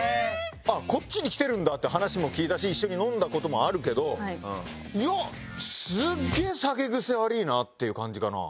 こっちに来てるんだっていう話も聞いたし一緒に飲んだ事もあるけどいやすっげえ酒癖悪いなっていう感じかな。